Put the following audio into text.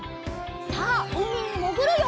さあうみにもぐるよ！